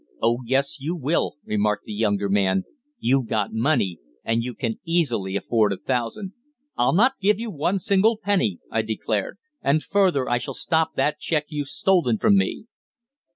"Oh yes, you will," remarked the younger man. "You've got money, and you can easily afford a thousand." "I'll not give you one single penny," I declared. "And, further, I shall stop that cheque you've stolen from me."